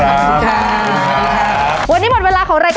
ปะติ๋วเสมอราคาก็ยังไม่ได้ขึ้นราคาเลยค่ะ